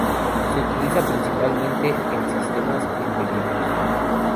Se utiliza principalmente en sistemas embebidos.